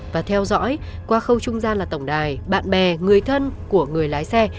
và theo dõi qua khâu trung gian là tổng đài bạn bè người thân của người lái xe